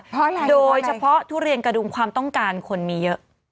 เพราะอะไรโดยเฉพาะทุเรียนกระดุงความต้องการคนมีเยอะ